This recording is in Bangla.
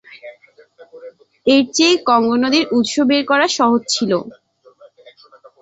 এর চেয়ে কঙ্গো নদীর উৎস বের করা সহজ ছিল।